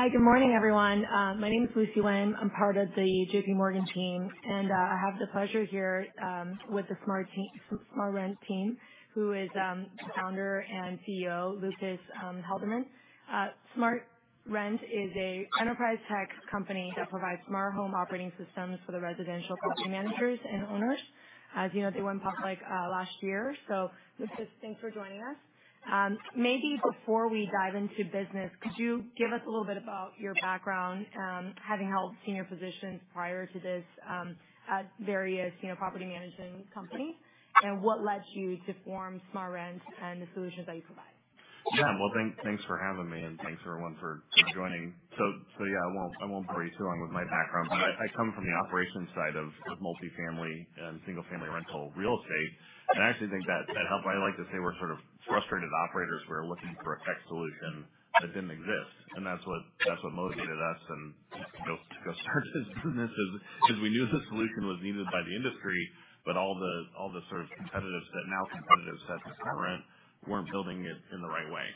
Hi. Good morning, everyone. My name is Lucy Wang. I'm part of the JPMorgan team, and I have the pleasure here with the SmartRent team, who is founder and Chief Executive Officer Lucas Haldeman. SmartRent is an enterprise tech company that provides smart home operating systems for the residential property managers and owners. As you know, they went public last year. Lucas, thanks for joining us. Maybe before we dive into business, could you give us a little bit about your background, having held senior positions prior to this, at various, you know, property management companies, and what led you to form SmartRent and the solutions that you provide? Yeah. Well, thanks for having me, and thanks, everyone, for joining. Yeah, I won't bore you too long with my background. I come from the operations side of multifamily and single family rental real estate. I actually think that helped. I like to say we're sort of frustrated operators. We're looking for a tech solution that didn't exist. That's what motivated us to go start this business is we knew the solution was needed by the industry, but all the sort of competitive set, our competitive set to SmartRent weren't building it in the right way.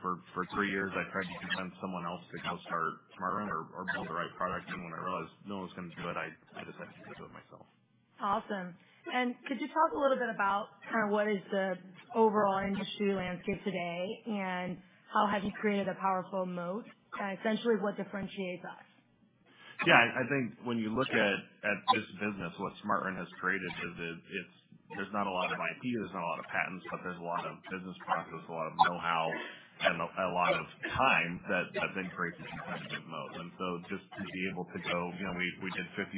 For three years, I tried to convince someone else to go start SmartRent or build the right product. When I realized no one was gonna do it, I just had to do it myself. Awesome. Could you talk a little bit about kinda what is the overall industry landscape today, and how have you created a powerful moat, and essentially what differentiates us? Yeah. I think when you look at this business, what SmartRent has created is it's, there's not a lot of IP, there's not a lot of patents, but there's a lot of business process, a lot of know-how and a lot of time that then creates a competitive moat. Just to be able to go, you know, we did 51,000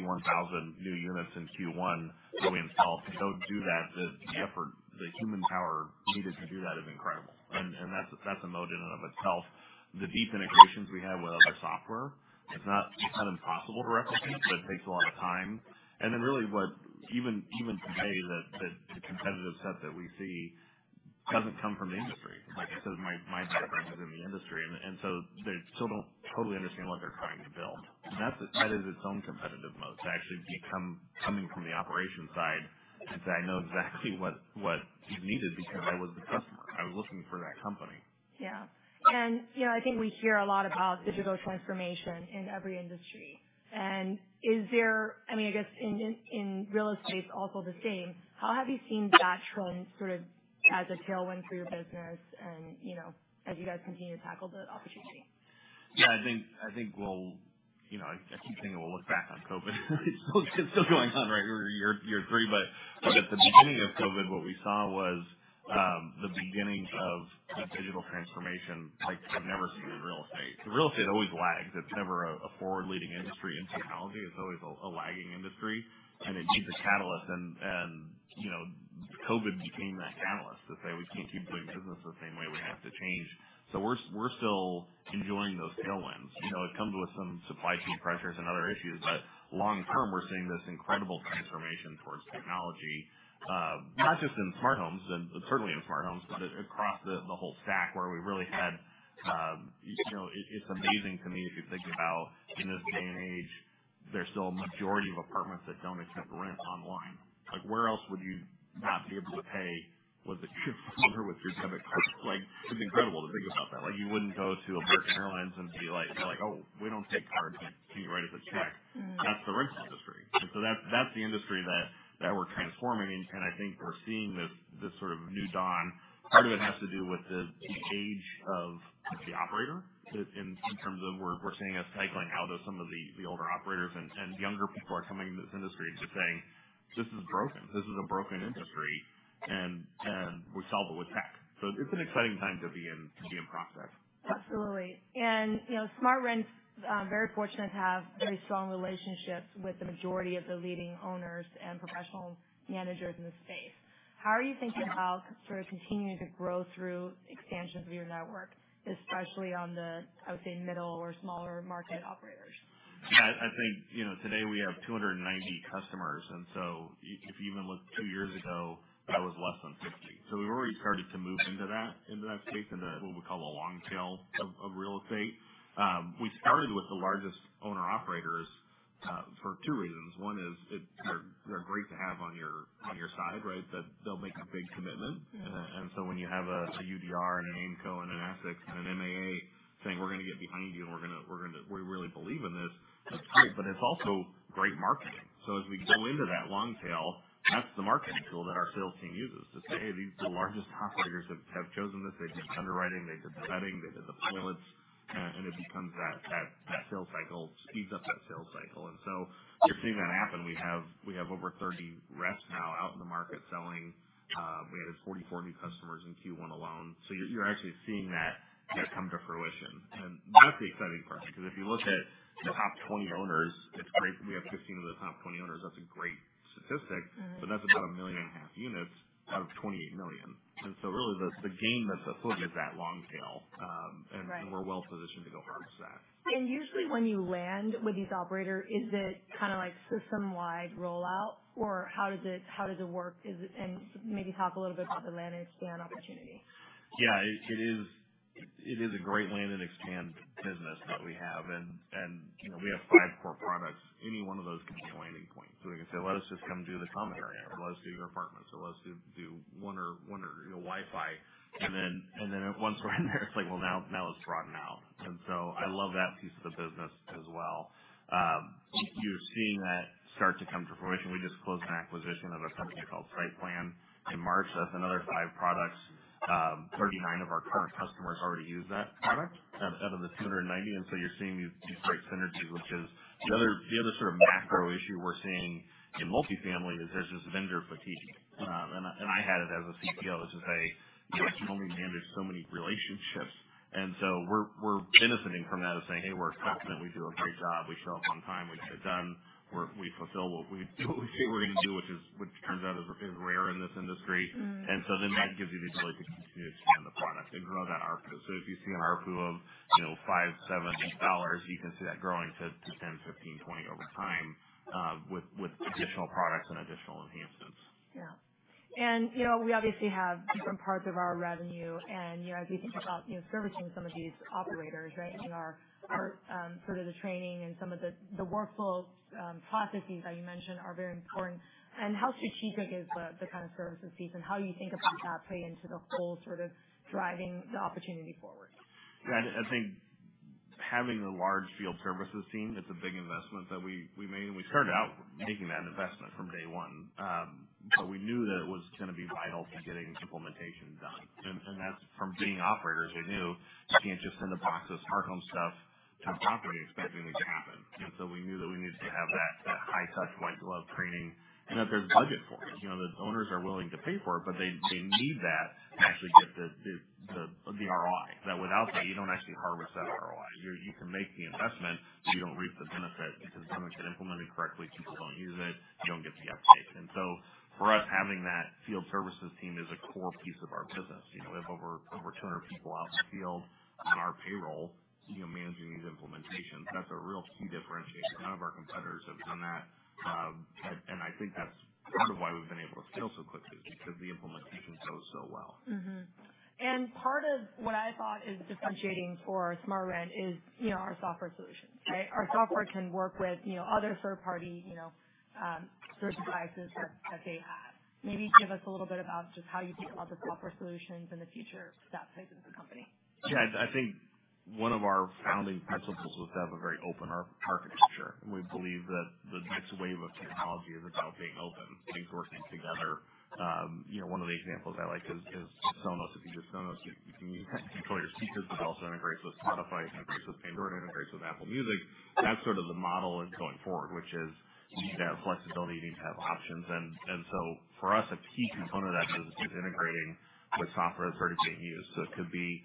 new units in Q1 that we installed. To go do that, the effort, the manpower needed to do that is incredible. That's a moat in and of itself. The deep integrations we have with other software, it's not impossible to replicate, but it takes a lot of time. Really what even today that the competitive set that we see doesn't come from the industry. Like I said, my background is in the industry. They still don't totally understand what they're trying to build. That's its own competitive moat. Actually coming from the operations side is I know exactly what is needed because I was the customer. I was looking for that company. Yeah. You know, I think we hear a lot about digital transformation in every industry. I mean, I guess in real estate, it's also the same. How have you seen that trend sort of as a tailwind through your business and, you know, as you guys continue to tackle the opportunity? Yeah, I think we'll. You know, I keep saying we'll look back on COVID. It's still going on, right? We're year-three. At the beginning of COVID, what we saw was the beginnings of this digital transformation like I've never seen in real estate. Real estate always lags. It's never a forward-leading industry in technology. It's always a lagging industry, and it needs a catalyst. You know, COVID became that catalyst to say, we can't keep doing business the same way. We have to change. We're still enjoying those tailwinds. You know, it comes with some supply chain pressures and other issues. Long term, we're seeing this incredible transformation towards technology, not just in smart homes, and certainly in smart homes, but across the whole stack where we really had. You know, it's amazing to me if you think about in this day and age, there's still a majority of apartments that don't accept rent online. Like, where else would you not be able to pay with a card or with your debit card? Like, it's incredible to think about that. Like, you wouldn't go to a British Airways and be like, they're like, "Oh, we don't take cards. Can you write us a check? Mm-hmm. That's the rental industry. That's the industry that we're transforming. I think we're seeing this sort of new dawn. Part of it has to do with the age of the operator that in terms of we're seeing a cycling out of some of the older operators and younger people are coming into this industry and just saying, "This is broken. This is a broken industry, and we solve it with tech." It's an exciting time to be in proptech. Absolutely. You know, SmartRent's very fortunate to have very strong relationships with the majority of the leading owners and professional managers in the space. How are you thinking about sort of continuing to grow through expansions of your network, especially on the, I would say, middle or smaller market operators? Yeah. I think, you know, today we have 290 customers, and if you even look two years ago, that was less than 50 customers. We've already started to move into that space, into what we call the long tail of real estate. We started with the largest owner-operators for two reasons. One is they're great to have on your side, right? That they'll make a big commitment. When you have a UDR and an Aimco and an Essex and an MAA saying, "We're gonna get behind you and we really believe in this," that's great, but it's also great marketing. As we go into that long tail, that's the marketing tool that our sales team uses to say, "Hey, these the largest operators have chosen this. They've done underwriting, they've done vetting, they did the pilots. It becomes that sales cycle, speeds up that sales cycle. You're seeing that happen. We have over 30 reps now out in the market selling. We added 44 new customers in Q1 alone. You're actually seeing that come to fruition. That's the exciting part because if you look at the top 20 owners, it's great that we have 15 owners of those top 20 owners. That's a great statistic. Mm-hmm. That's about 1.5 million units out of 28 million units. Really, the game that's ahead is that long tail. Right. We're well-positioned to go harvest that. Usually when you land with these operators, is it kinda like system-wide rollout, or how does it work? Maybe talk a little bit about the managed land opportunity. Yeah. It is a great land and expand business that we have. You know, we have five core products. Any one of those can be a landing point. We can say, "Let us just come do the common area, or let us do your apartments, or let us do one, you know, Wi-Fi." Once we're in there, it's like, well, now let's broaden out. I love that piece of the business as well. You're seeing that start to come to fruition. We just closed an acquisition of a company called SightPlan in March. That's another five products. 39 of our current customers already use that product out of the 290 customers. You're seeing these great synergies, which is. The other sort of macro issue we're seeing in multifamily is there's this vendor fatigue. I had it as a CPO. It's just, hey, you know, I can only manage so many relationships. We're benefiting from that of saying, "Hey, we're competent. We do a great job. We show up on time. We get it done. We're we fulfill what we say we're gonna do," which turns out is rare in this industry. Mm. That gives you the ability to continue to expand the product and grow that ARPU. If you see an ARPU of, you know, $5-$7, you can see that growing to $10, $15, $20 over time, with additional products and additional enhancements. Yeah. You know, we obviously have different parts of our revenue. You know, as you think about, you know, servicing some of these operators, right? I mean, our sort of the training and some of the workflow processes that you mentioned are very important. How strategic is the kind of services fees and how you think about that play into the whole sort of driving the opportunity forward? Yeah, I think having a large field services team, it's a big investment that we made, and we started out making that investment from day one. We knew that it was gonna be vital to getting implementation done. As former operators, we knew you can't just send a box of smart home stuff to a property expecting it to happen. We knew that we needed to have that high touch point of training and that there's budget for it. You know, the owners are willing to pay for it, but they need that to actually get the ROI. That without that, you don't actually harvest that ROI. You can make the investment, but you don't reap the benefit because if it doesn't get implemented correctly, people don't use it, you don't get the updates. For us, having that field services team is a core piece of our business. You know, we have over 200 people out in the field on our payroll, you know, managing these implementations. That's a real key differentiator. None of our competitors have done that. And I think that's part of why we've been able to scale so quickly, because the implementation goes so well. Mm-hmm. Part of what I thought is differentiating for SmartRent is, you know, our software solution, right? Our software can work with, you know, other third party, you know, certain devices that they have. Maybe give us a little bit about just how you think about the software solutions in the future for that side of the company. Yeah. I think one of our founding principles was to have a very open architecture. We believe that the next wave of technology is about being open, things working together. You know, one of the examples I like is Sonos. If you use Sonos, you can control your speakers. It also integrates with Spotify. It integrates with Android. It integrates with Apple Music. That's sort of the model going forward, which is you need to have flexibility, you need to have options. For us, a key component of that business is integrating with software that's already being used. It could be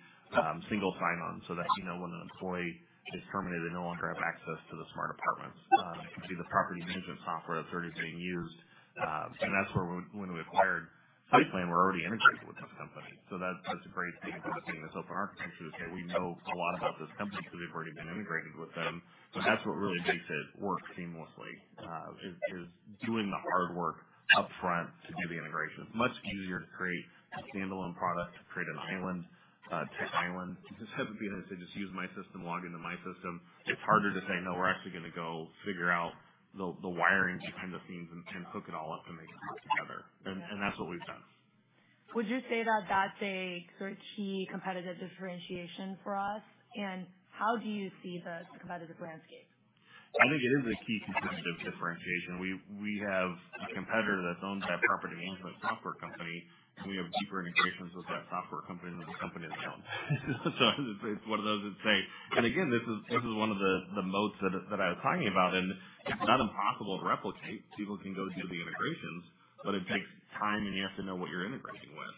single sign on so that, you know, when an employee is terminated, no longer have access to the smart apartments. It could be the property management software that's already being used. That's where, when we acquired SightPlan, we're already integrated with this company. That's a great example of seeing this open architecture to say, we know a lot about this company because they've already been integrated with them. That's what really makes it work seamlessly, is doing the hard work upfront to do the integrations. Much easier to create a standalone product, to create an island, tech island, just have it be nice to just use my system, log into my system. It's harder to say, "No, we're actually gonna go figure out the wiring behind the scenes and hook it all up and make it work together." And that's what we've done. Would you say that that's a sort of key competitive differentiation for us? How do you see the competitive landscape? I think it is a key competitive differentiation. We have a competitor that's owned by a property management software company, and we have deeper integrations with that software company than the company that owns it. It's one of those that say. Again, this is one of the moats that I was talking about. It's not impossible to replicate. People can go do the integrations, but it takes time, and you have to know what you're integrating with.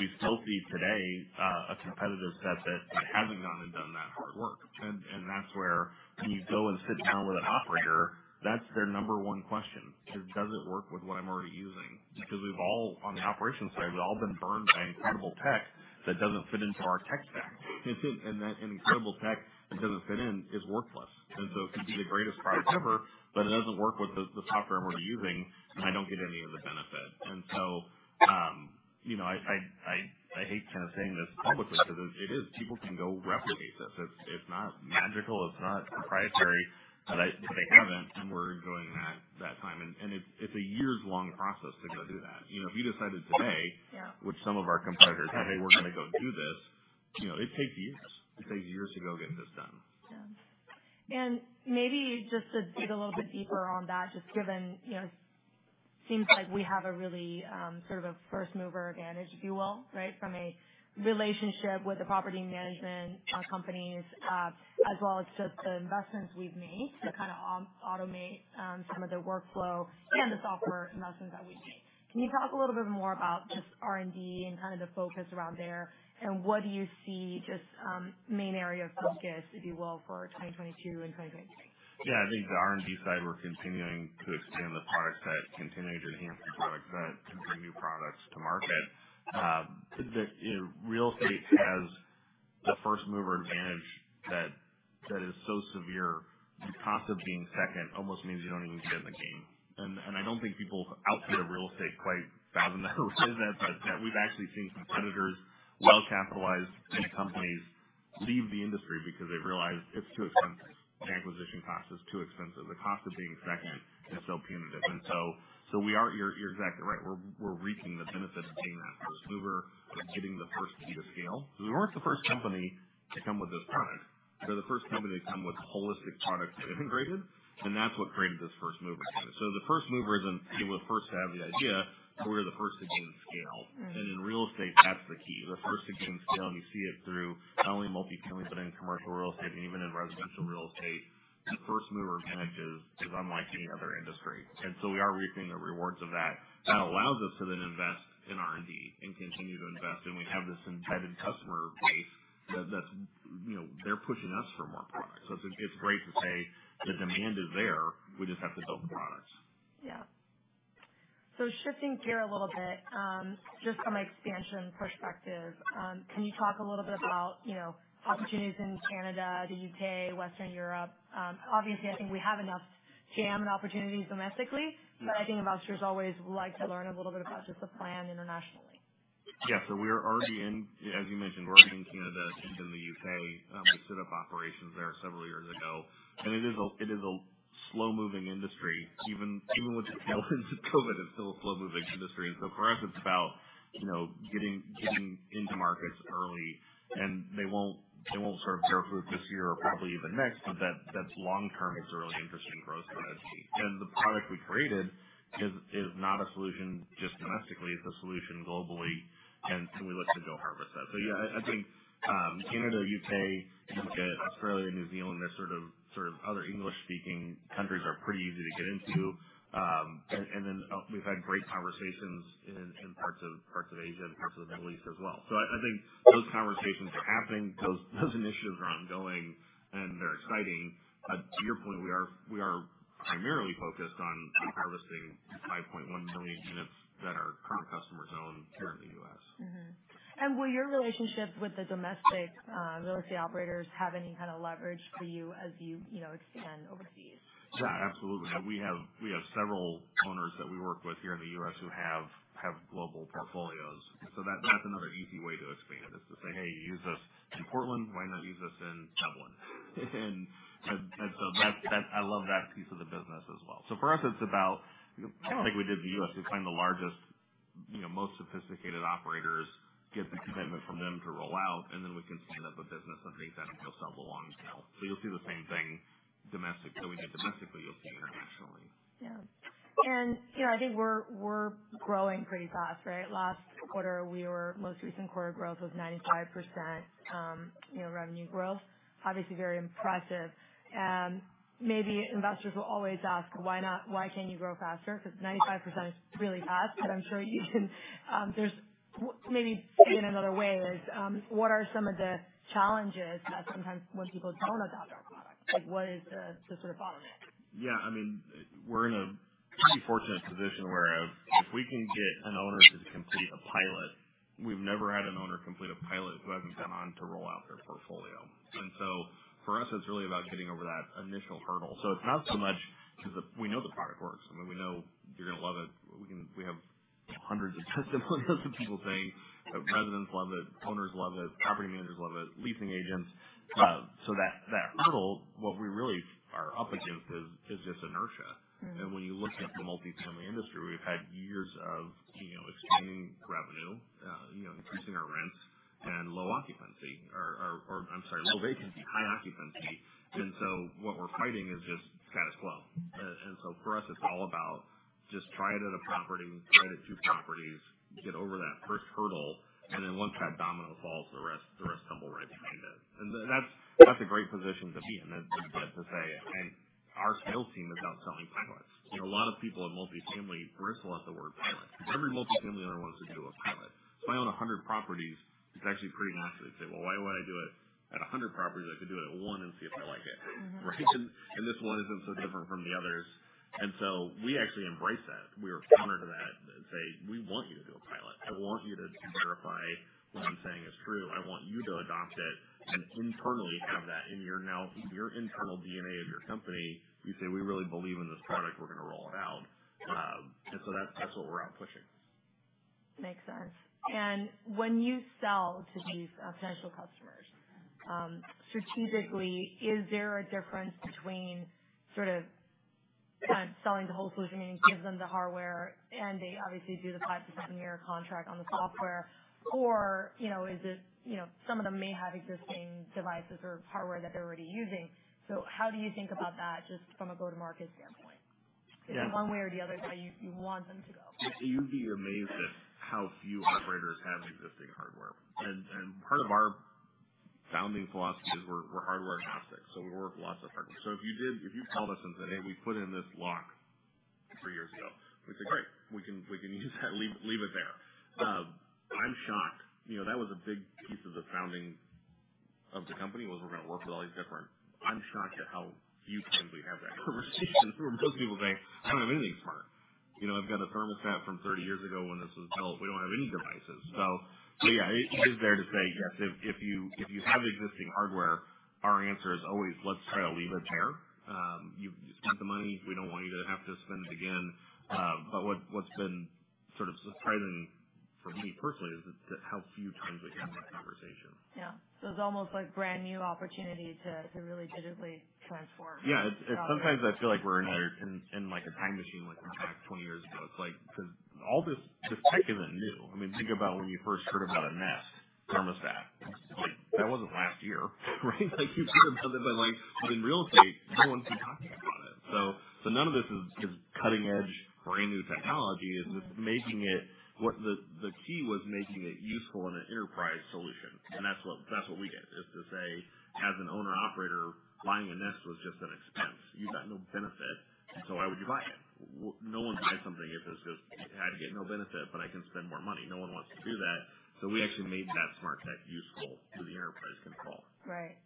We still see today a competitor set that hasn't gone and done that hard work. That's where when you go and sit down with an operator, that's their number one question is, does it work with what I'm already using? Because we've all, on the operations side, been burned by incredible tech that doesn't fit into our tech stack. It's been. That incredible tech that doesn't fit in is worthless. It could be the greatest product ever, but it doesn't work with the software I'm already using, and I don't get any of the benefit. You know, I hate kind of saying this publicly, but it is. People can go replicate this. It's not magical. It's not proprietary. They haven't, and we're enjoying that time. It's a years long process to go do that. You know, if you decided today. Yeah. which some of our competitors have, "Hey, we're gonna go do this," you know, it takes years. It takes years to go get this done. Yeah. Maybe just to dig a little bit deeper on that, just given, you know, seems like we have a really, sort of a first mover advantage, if you will, right? From a relationship with the property management companies, as well as just the investments we've made to kind of automate some of the workflow and the software investments that we've made. Can you talk a little bit more about just R&D and kind of the focus around there? What do you see just main area of focus, if you will, for 2022 and 2023? Yeah. I think the R&D side, we're continuing to expand the product set, continuing to enhance the product set, to bring new products to market. You know, real estate has the first mover advantage that is so severe. The cost of being second almost means you don't even get in the game. I don't think people outside of real estate quite fathom that or say that, but we've actually seen competitors, well-capitalized tech companies leave the industry because they've realized it's too expensive. The acquisition cost is too expensive. The cost of being second is so punitive. We are. You're exactly right. We're reaping the benefits of being that first mover, getting the first key to scale. We weren't the first company to come with this product. We're the first company to come with a holistic product that integrated, and that's what created this first mover advantage. The first mover isn't being the first to have the idea, but we're the first to gain scale. Right. In real estate, that's the key. We're first to gain scale, and you see it through not only multifamily, but in commercial real estate and even in residential real estate. The first mover advantage is unlike any other industry, and we are reaping the rewards of that. That allows us to then invest in R&D and continue to invest. We have this embedded customer base that's, you know, they're pushing us for more products. It's great to say the demand is there. We just have to build the products. Yeah. Shifting gear a little bit, just from an expansion perspective, can you talk a little bit about, you know, opportunities in Canada, the U.K., Western Europe? Obviously, I think we have enough jam and opportunities domestically. Yeah. I think investors always like to learn a little bit about just the plan internationally. Yeah. As you mentioned, we're already in Canada and in the U.K. We set up operations there several years ago, and it is a slow-moving industry. Even with the tailwinds of COVID, it's still a slow-moving industry. For us, it's about, you know, getting into markets early, and they won't sort of bear fruit this year or probably even next, but that's long-term is a really interesting growth strategy. The product we created is not a solution just domestically, it's a solution globally, and we look to go harvest that. Yeah, I think Canada, U.K., look at Australia, New Zealand, they're sort of other English-speaking countries are pretty easy to get into. We've had great conversations in parts of Asia and parts of the Middle East as well. I think those conversations are happening. Those initiatives are ongoing, and they're exciting. To your point, we are primarily focused on harvesting the 5.1 million units that our current customers own here in the U.S. Will your relationships with the domestic real estate operators have any kind of leverage for you as you know, expand overseas? Yeah, absolutely. We have several owners that we work with here in the U.S. who have global portfolios. That's another easy way to expand is to say, "Hey, you use us in Portland. Why not use us in Dublin?" That's. I love that piece of the business as well. For us, it's about kind of like we did the U.S. We find the largest, you know, most sophisticated operators, get the commitment from them to roll out, and then we can stand up a business I think that will sell the long tail. You'll see the same thing domestically that we did domestically, you'll see internationally. Yeah. You know, I think we're growing pretty fast, right? Most recent quarter growth was 95%, you know, revenue growth. Obviously very impressive. Maybe investors will always ask, why not, why can't you grow faster? Because 95% is really fast, but I'm sure you can. Say it another way is, what are some of the challenges that sometimes when people don't adopt our product? Like, what is the sort of bottleneck? Yeah, I mean, we're in a pretty fortunate position where if we can get an owner to complete a pilot, we've never had an owner complete a pilot who hasn't gone on to roll out their portfolio. For us, it's really about getting over that initial hurdle. It's not so much because we know the product works. I mean, we know you're gonna love it. We have hundreds of testimonials of people saying that residents love it, owners love it, property managers love it, leasing agents. That hurdle, what we really are up against is just inertia. Mm-hmm. When you look at the multifamily industry, we've had years of, you know, extending revenue, you know, increasing our rents and low vacancy, high occupancy. For us, it's all about just try it at a property, try it at two properties, get over that first hurdle, and then once that domino falls, the rest tumble right behind it. That's a great position to be in. It's good to say. Our sales team is about selling pilots. You know, a lot of people in multifamily bristle at the word pilot. Every multifamily owner wants to do a pilot. If I own 100 properties, it's actually pretty natural to say, "Well, why would I do it at 100 properties? I could do it at one and see if I like it. Mm-hmm. Right? This one isn't so different from the others. We actually embrace that. We are counter to that and say, "We want you to do a pilot. I want you to verify what I'm saying is true. I want you to adopt it and internally have that in your now, your internal DNA of your company. You say, 'We really believe in this product. We're gonna roll it out.'" That's what we're out pushing. Makes sense. When you sell to these potential customers strategically, is there a difference between sort of selling the whole solution and give them the hardware and they obviously do the five-year contract on the software? Or you know, is it, you know, some of them may have existing devices or hardware that they're already using. How do you think about that just from a go-to-market standpoint? Yeah. Is it one way or the other that you want them to go? You'd be amazed at how few operators have existing hardware. Part of our founding philosophy is we're hardware agnostic, so we work lots of hardware. If you called us and said, "Hey, we put in this lock three years ago." We'd say, "Great. We can use that. Leave it there." I'm shocked. You know, that was a big piece of the founding of the company, was we're going to work with all these different. I'm shocked at how few times we have that conversation. Most people say, "I don't have anything smart." You know, I've got a thermostat from 30 years ago when this was built. We don't have any devices. Yeah, it is fair to say yes. If you have existing hardware, our answer is always let's try to leave it there. You've spent the money. We don't want you to have to spend it again. What's been sort of surprising for me personally is that how few times we have that conversation. Yeah. It's almost like brand new opportunity to really digitally transform. Yeah. It's sometimes I feel like we're in like a time machine, like we're back 20 years ago. It's like, 'cause all this tech isn't new. I mean, think about when you first heard about a Nest thermostat. Like that wasn't last year, right? Like you've heard about it, but like in real estate, no one's been talking about it. So none of this is cutting edge brand new technology. It's just making it, what the key was making it useful in an enterprise solution. That's what we did, is to say, as an owner operator, buying a Nest was just an expense. You got no benefit. So why would you buy it? No one buys something if it's just, "I get no benefit, but I can spend more money." No one wants to do that. We actually made that smart tech useful through the enterprise control. Right.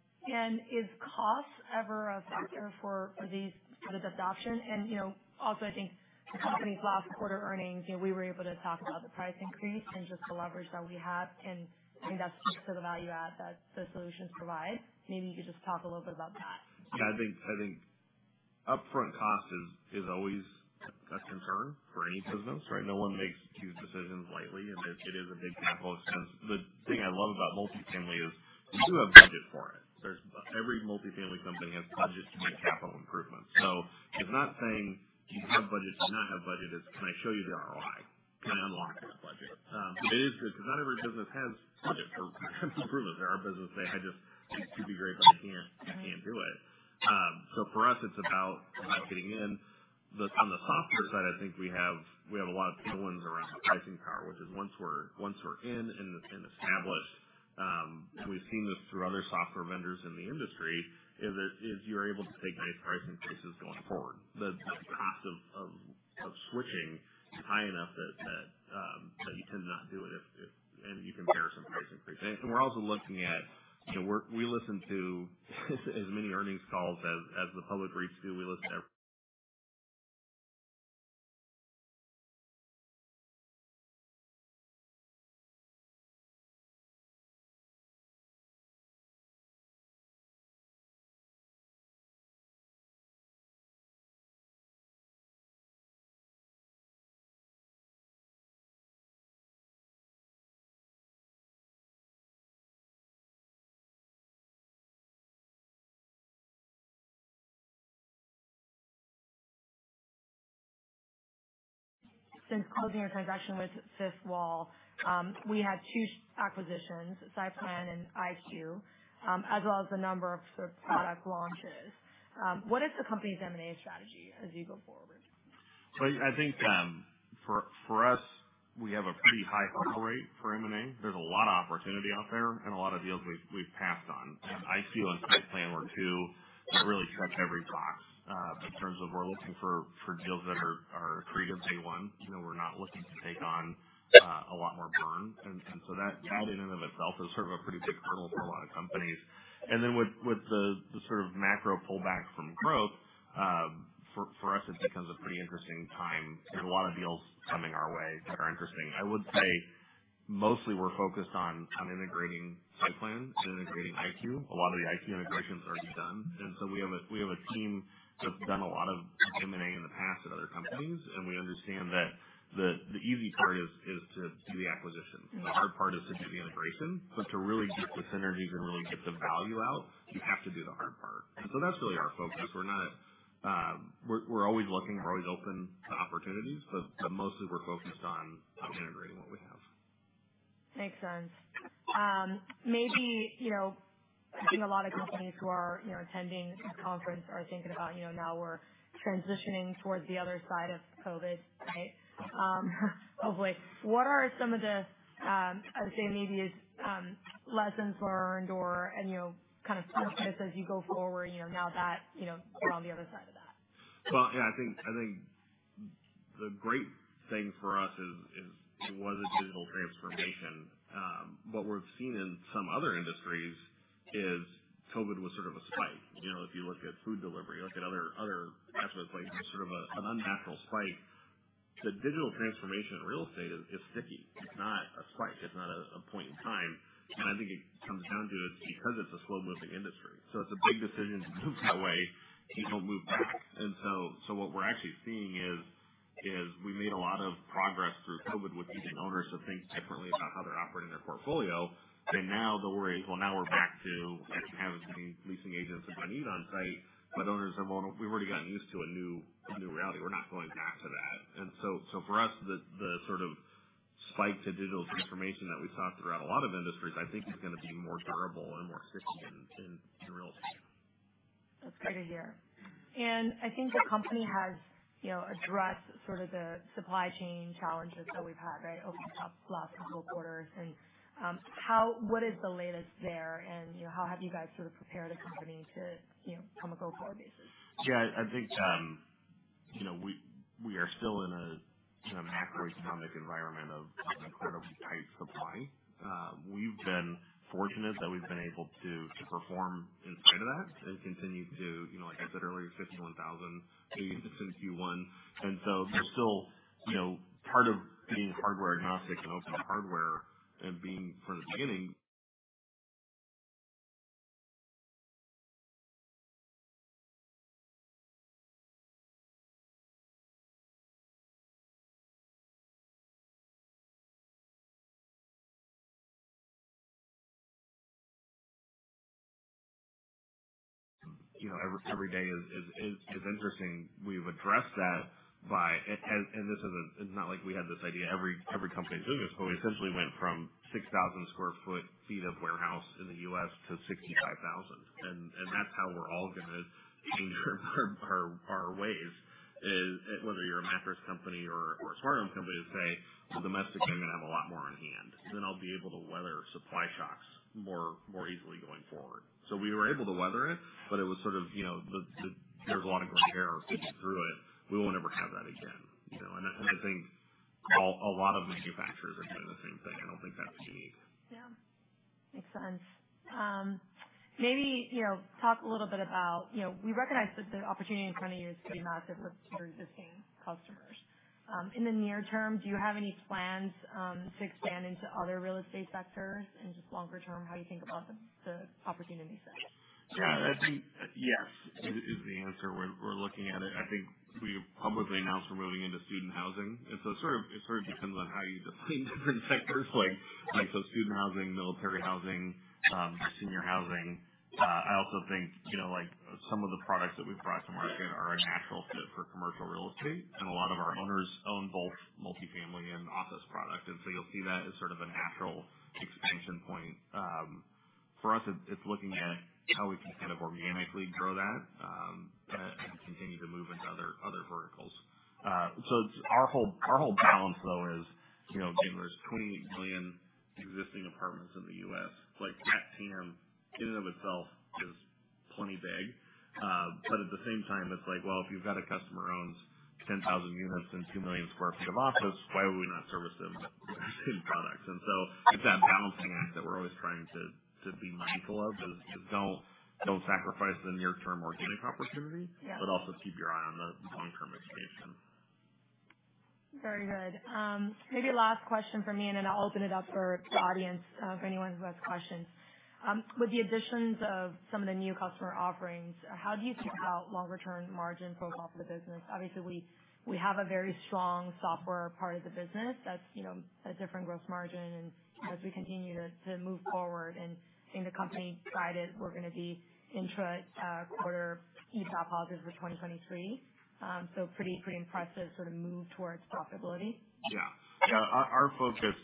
Is cost ever a factor for these sort of adoption? You know, also I think the company's last quarter earnings, you know, we were able to talk about the price increase and just the leverage that we have and, I mean, that's just for the value add that the solutions provide. Maybe you could just talk a little bit about that. Yeah, I think upfront cost is always a concern for any business, right? No one makes huge decisions lightly, and it is a big capital expense. The thing I love about multifamily is you do have budget for it. Every multifamily company has budget to make capital improvements. It's not saying, do you have budget? Do you not have budget? It's can I show you the ROI? Can I unlock that budget? It is true because not every business has budget for improvements. In our business they had just, "This would be great, but I can't do it." For us, it's about not getting in. Then on the software side, I think we have a lot of tailwinds around pricing power, which is once we're in and established, and we've seen this through other software vendors in the industry, that you're able to take nice price increases going forward. The cost of switching is high enough that you tend not to do it if you compare some price increases. We're also looking at, you know, we listen to as many earnings calls as the public does too. We listen to every Since closing our transaction with Fifth Wall, we had two acquisitions, SightPlan and iQuue, as well as a number of sort of product launches. What is the company's M&A strategy as you go forward? I think for us we have a pretty high hurdle rate for M&A. There's a lot of opportunity out there and a lot of deals we've passed on. iQuue and SightPlan were two that really checked every box in terms of we're looking for deals that are accretive day one. You know, we're not looking to take on a lot more burn. That in and of itself is sort of a pretty big hurdle for a lot of companies. Then with the sort of macro pullback from growth for us it becomes a pretty interesting time. There's a lot of deals coming our way that are interesting. I would say mostly we're focused on integrating SightPlan and integrating iQuue. A lot of the iQuue integration is already done. We have a team that's done a lot of M&A in the past at other companies, and we understand that the easy part is to do the acquisition. The hard part is to do the integration. To really get the synergies and really get the value out, you have to do the hard part. That's really our focus. We're always looking, we're always open to opportunities, but mostly we're focused on integrating what we have. Makes sense. Maybe, you know, I think a lot of companies who are, you know, attending the conference are thinking about, you know, now we're transitioning towards the other side of COVID, right? Hopefully. What are some of the, I would say maybe it's, lessons learned or, and, you know, kind of shifts as you go forward, you know, now that, you know, we're on the other side of that. Well, yeah, I think the great thing for us is it was a digital transformation. What we've seen in some other industries is COVID was sort of a spike. You know, if you look at food delivery, look at other aspects, like sort of an unnatural spike. The digital transformation in real estate is sticky. It's not a spike. It's not a point in time. I think it comes down to it's because it's a slow-moving industry, so it's a big decision to move that way. People move back. What we're actually seeing is we made a lot of progress through COVID with getting owners to think differently about how they're operating their portfolio. Now the worry, well, now we're back to having to be leasing agents if I need on site, but owners are more, "We've already gotten used to a new reality. We're not going back to that." For us, the sort of spike to digital transformation that we saw throughout a lot of industries, I think is gonna be more durable and more sticky in real estate. That's good to hear. I think the company has, you know, addressed sort of the supply chain challenges that we've had right over the past couple quarters. What is the latest there? You know, how have you guys sort of prepared the company to, you know, on a go-forward basis? Yeah, I think, you know, we are still in a macroeconomic environment of incredibly tight supply. We've been fortunate that we've been able to perform in spite of that and continue to, you know, like I said earlier, 51,000 leases since Q1. There's still, you know, part of being hardware agnostic and open hardware and being from the beginning. You know, every day is interesting. We've addressed that by. And this is. It's not like we had this idea. Every company is doing this, but we essentially went from 6,000 sq ft of warehouse in the U.S. to 65,000 sq ft. That's how we're all gonna change our ways, is whether you're a mattress company or a smart home company to say, "Well, domestic, I'm gonna have a lot more on hand. Then I'll be able to weather supply shocks more easily going forward." We were able to weather it, but it was sort of, you know. There's a lot of gray hair to get through it. We will never have that again, you know. I think a lot of manufacturers are doing the same thing. I don't think that's unique. Yeah. Makes sense. Maybe, you know, talk a little bit about, you know, we recognize that the opportunity in front of you is pretty massive with your existing customers. In the near term, do you have any plans to expand into other real estate sectors? Just longer term, how you think about the opportunity set? Yeah. I think yes is the answer. We're looking at it. I think we publicly announced we're moving into student housing. It sort of depends on how you define different sectors. Like, so student housing, military housing, senior housing. I also think, you know, like some of the products that we've brought to market are a natural fit for commercial real estate, and a lot of our owners own both multifamily and office product. You'll see that as sort of a natural expansion point. For us, it's looking at how we can kind of organically grow that, and continue to move into other verticals. Our whole balance though is, you know, again, there's 20 million existing apartments in the U.S. Like that TAM in and of itself is plenty big. At the same time, it's like, well, if you've got a customer who owns 10,000 units and 2 million sq ft of office, why would we not service them with smart products? It's that balancing act that we're always trying to be mindful of is don't sacrifice the near-term organic opportunity. Yeah. Also keep your eye on the long-term expansion. Very good. Maybe last question from me, and then I'll open it up for the audience for anyone who has questions. With the additions of some of the new customer offerings, how do you think about longer term margin profile for the business? Obviously, we have a very strong software part of the business that's, you know, a different growth margin. As we continue to move forward and I think the company guided, we're gonna be in a quarter EBITDA positive for 2023. So pretty impressive sort of move towards profitability. Our focus.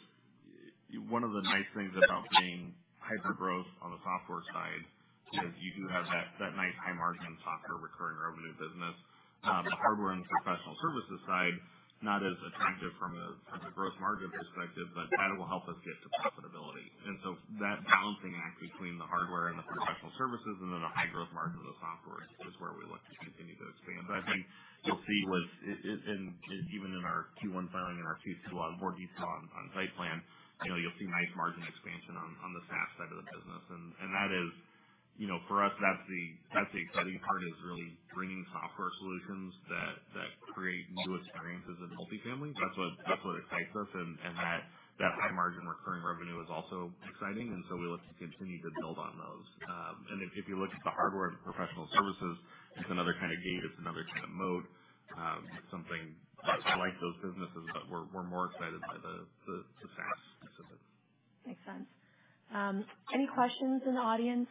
One of the nice things about being hypergrowth on the software side is you do have that nice high margin software recurring revenue business. The hardware and professional services side, not as attractive from a growth margin perspective, but that will help us get to profitability. That balancing act between the hardware and the professional services and then the high growth margin of the software is where we look to continue to expand. I think you'll see even in our Q1 filing and our Q2, a lot more detail on SightPlan. You'll see nice margin expansion on the SaaS side of the business. That is for us, that's the exciting part, is really bringing software solutions that create new experiences in multifamily. That's what excites us. That high margin recurring revenue is also exciting. We look to continue to build on those. If you look at the hardware and professional services, it's another kind of gate, it's another kind of moat. It's something that we like those businesses, but we're more excited by the SaaS business. Makes sense. Any questions in the audience?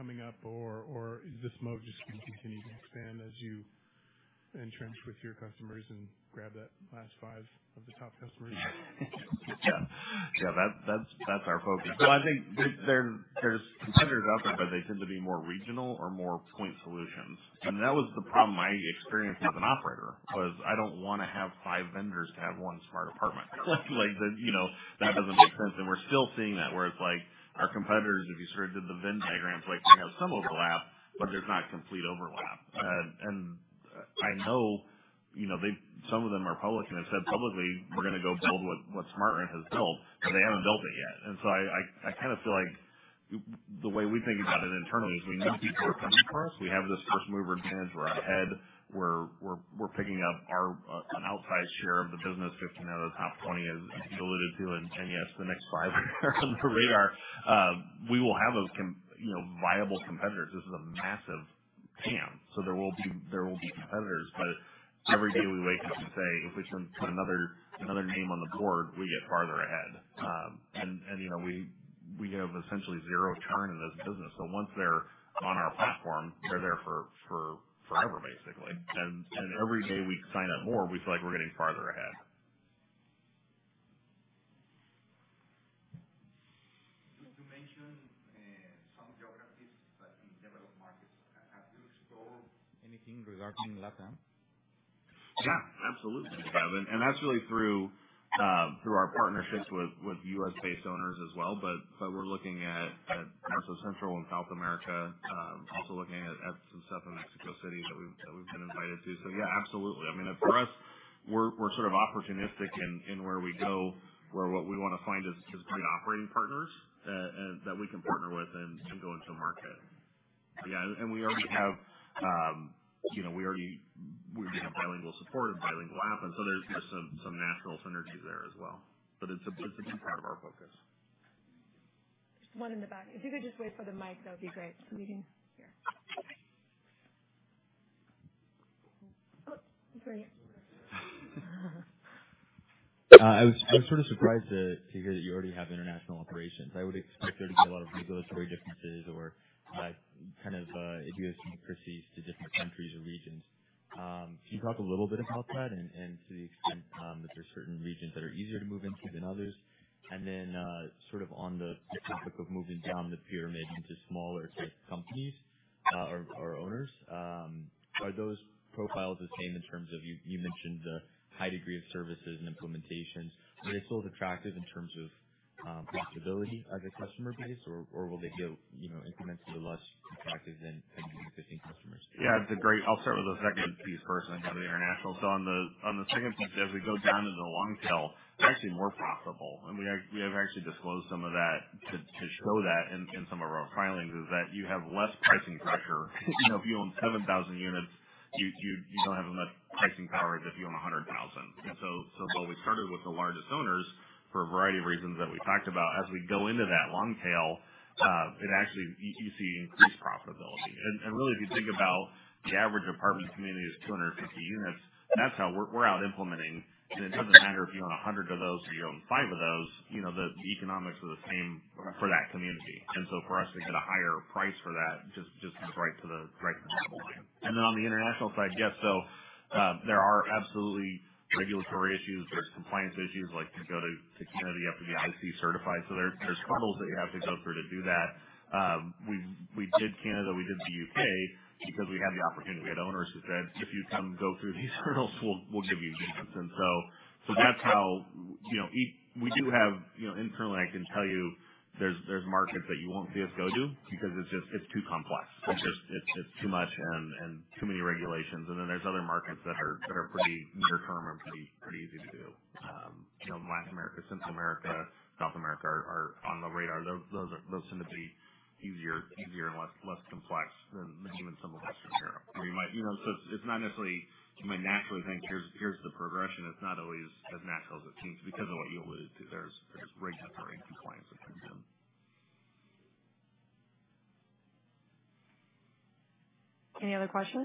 No. Just wondering about how new to your company is the competitive environment. Who do you see as potential players coming up? Or does moat just keep continuing to expand as you entrench with your customers and grab that last five of the top customers? Yeah. That's our focus. I think there's competitors out there, but they tend to be more regional or more point solutions. That was the problem I experienced as an operator, was I don't wanna have five vendors to have one smart apartment. Like, you know, that doesn't make sense. We're still seeing that where it's like our competitors, if you sort of did the Venn diagrams, like they have some overlap, but there's not complete overlap. I know, you know, some of them are public and have said publicly, "We're gonna go build what SmartRent has built," but they haven't built it yet. I kinda feel like the way we think about it internally is we know people are coming for us. We have this first mover advantage. We're ahead. We're picking up an outsized share of the business, 15 out of the top 20, as you alluded to, yes, the next five are on the radar. We will have those viable competitors. This is a massive TAM. There will be competitors, but every day we wake up and say, "If we can put another name on the board, we get farther ahead." You know, we have essentially zero churn in this business, so once they're on our platform, they're there for forever, basically. Every day we sign up more, we feel like we're getting farther ahead. Just to mention. Anything regarding LATAM? Yeah, absolutely, Kevin. That's really through our partnerships with U.S.-based owners as well. We're looking at parts of Central and South America, also looking at some stuff in Mexico City that we've been invited to. Yeah, absolutely. I mean, for us, we're sort of opportunistic in where we go, what we wanna find is great operating partners, and that we can partner with and go into a market. Yeah, and we already have, you know, we have bilingual support and bilingual app, and so there's just some natural synergy there as well. It's a key part of our focus. One in the back. If you could just wait for the mic, that would be great. Waiting. Here. Oh, sorry. I was sort of surprised to hear that you already have international operations. I would expect there to be a lot of regulatory differences or, like, kind of, idiosyncrasies to different countries or regions. Can you talk a little bit about that, and to the extent that there's certain regions that are easier to move into than others? Then, sort of on the topic of moving down the pyramid into smaller type companies, or owners, are those profiles the same in terms of you mentioned the high degree of services and implementation. Are they still as attractive in terms of profitability as a customer base or will they get, you know, incrementally less attractive than the existing customers? Yeah, it's great. I'll start with the second piece first and then go to the international. On the second piece, as we go down into the long tail, they're actually more profitable. We have actually disclosed some of that to show that in some of our filings, is that you have less pricing pressure. You know, if you own 7,000 units, you don't have as much pricing power as if you own 100,000. While we started with the largest owners for a variety of reasons that we talked about, as we go into that long tail, it actually, you see increased profitability. Really, if you think about the average apartment community is 250 units, that's how we're out implementing. It doesn't matter if you own 100 of those or you own five of those, you know, the economics are the same for that community. For us to get a higher price for that just is right to the bottom line. On the international side, there are absolutely regulatory issues. There's compliance issues. Like, to go to Canada, you have to be IC certified. So there's hurdles that you have to go through to do that. We did Canada, we did the U.K. because we had the opportunity. We had owners who said, "If you come and go through these hurdles, we'll give you units." That's how, you know, we do have, you know, internally, I can tell you there's markets that you won't see us go to because it's just too complex. It's just too much and too many regulations. There's other markets that are pretty near-term and pretty easy to do. You know, Latin America, Central America, South America are on the radar. Those tend to be easier and less complex than even some of those in Europe. Where you might, you know. It's not necessarily you might naturally think here's the progression. It's not always as natural as it seems because of what you alluded to. There's regulatory and compliance attention. Any other questions?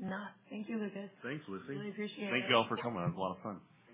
If not, thank you, Lucas. Thanks, Lucy. Really appreciate it. Thank you all for coming. It was a lot of fun.